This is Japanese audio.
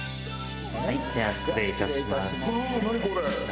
では失礼いたします。